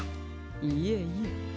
いえいえ。